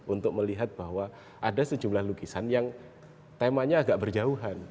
untuk melihat bahwa ada sejumlah lukisan yang temanya agak berjauhan